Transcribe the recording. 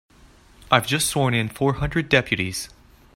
I've just sworn in four hundred deputies.